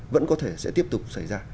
vẫn có thể sẽ tiếp tục xảy ra